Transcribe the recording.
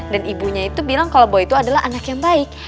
dan ibunya itu bilang kalau boy itu adalah anak yang baik